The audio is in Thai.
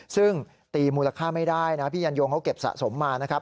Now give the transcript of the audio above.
ซึ่งตีมูลค่าไม่ได้นะพี่ยันยงเขาเก็บสะสมมานะครับ